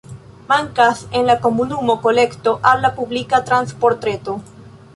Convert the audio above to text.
Mankas en la komunumo konekto al la publika transportreto.